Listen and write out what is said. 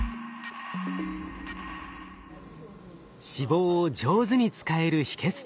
脂肪を上手に使える秘けつとは？